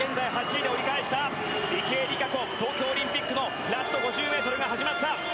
池江璃花子東京オリンピックのラスト５０ｍが始まった。